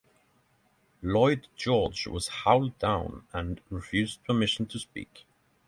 Lloyd George was howled down and refused permission to speak.